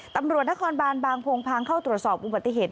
ตำรวจนครบานบางโพงพางเข้าตรวจสอบอุบัติเหตุ